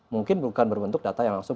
mungkin bukan berbentuk data yang langsung